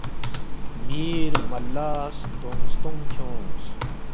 میر مَلّا ستونگ ستونگ کھیونگس